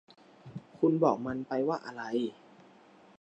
คุณบอกมันไปว่าอะไร